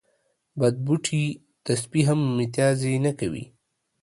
بد بوټي ته سپي هم متازې نه کوی